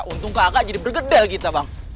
untung kakak jadi bergedel kita bang